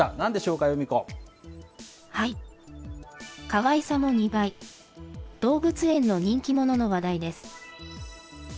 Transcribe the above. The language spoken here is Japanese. かわいさも２倍、動物園の人気者の話題です。